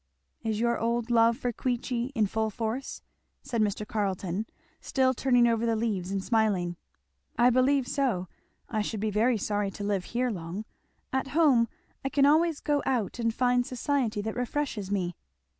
"Is your old love for Queechy in full force?" said Mr. Carleton, still turning over the leaves, and smiling. "I believe so I should be very sorry to live here long at home I can always go out and find society that refreshes me."